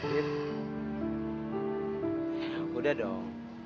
ya udah dong